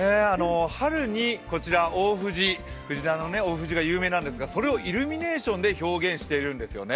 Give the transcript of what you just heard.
春に大藤、藤棚の大藤が有名なんですが、それをイルミネーションで表現しているんですよね。